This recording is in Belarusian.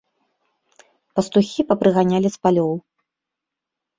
Пастухі папрыганялі з палёў.